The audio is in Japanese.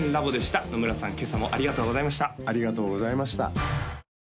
今朝もありがとうございました